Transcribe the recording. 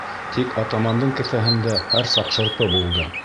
Тик атамандың кеҫәһендә һәр саҡ шырпы булды.